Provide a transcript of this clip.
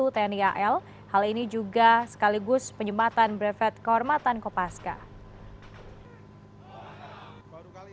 tni al hal ini juga sekaligus penyematan brevet kehormatan kopaska baru kali